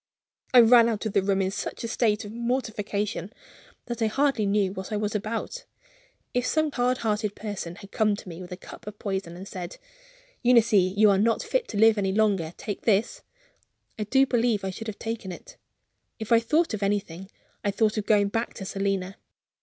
I ran out of the room in such a state of mortification that I hardly knew what I was about. If some hard hearted person had come to me with a cup of poison, and had said: "Eunice, you are not fit to live any longer; take this," I do believe I should have taken it. If I thought of anything, I thought of going back to Selina.